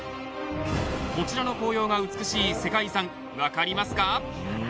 こちらの紅葉が美しい世界遺産分かりますか？